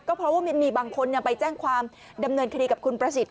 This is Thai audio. เพราะว่ามันมีบางคนไปแจ้งความดำเนินคดีกับคุณประสิทธิ